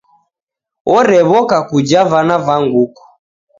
Orew'oka kuja vana va nguku.